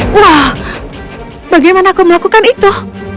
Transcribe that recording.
wah bagaimana aku melakukan itu